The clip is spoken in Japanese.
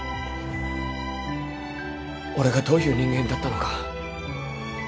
俺がどういう人間だったのか。